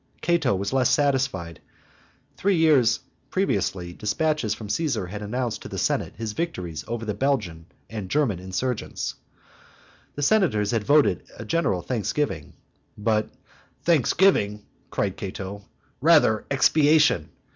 Cato was less satisfied; three years previously despatches from Caesar had announced to the Senate his victories over the Belgian and German insurgents. The senators had voted a general thanksgiving, but, "Thanksgiving!" cried Cato, "rather expiation!